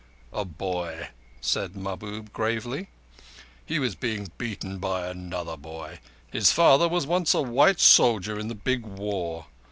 "A. boy," said Mahbub gravely. "He was being beaten by another boy. His father was once a white soldier in the big war.